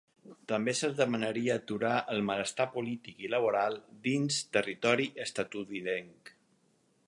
També se'ls demanaria aturar el malestar polític i laboral dins territori estatunidenc.